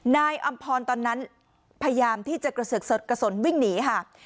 อำพรตอนนั้นพยายามที่จะกระเสือกสดกระสนวิ่งหนีค่ะ